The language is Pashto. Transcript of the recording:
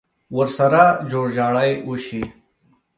ورسره جوړ جاړی وشي.